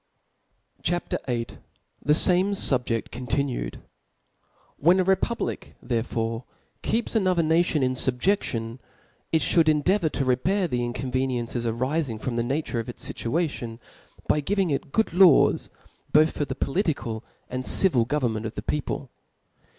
CHAP. VIll. Thefdme SubjeSi contintie^. WHEN a rppublic therefore ke^ps another nation in fubjeftion, it Ihould' endeavour to repair the inconveniericies* arifing from the naf ture of it$ Tituation, by giving it good law§ both for the political 'anc^' civil government of the people.